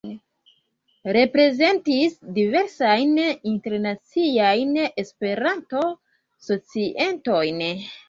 Reprezentis diversajn internaciajn Esperanto-societojn.